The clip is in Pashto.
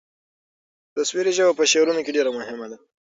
تصویري ژبه په شعر کې ډېره مهمه ده.